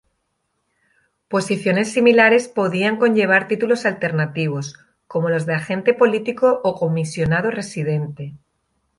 Posiciones similares podían conllevar títulos alternativos como los de agente político o comisionado residente.